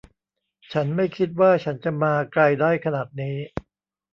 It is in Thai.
ฉันไม่คิดว่าฉันจะมาไกลได้ขนาดนี้